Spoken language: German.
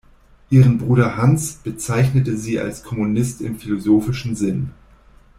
Ihren Bruder Hanns bezeichnete sie als „Kommunist im philosophischen Sinn“.